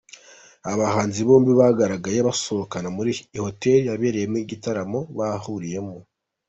Aba bahanzi bombi, bagaragaye basohokana muri iyi hoteli yabereyemo iki gitaramo bahuriyemo.